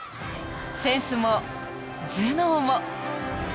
センスも頭脳も］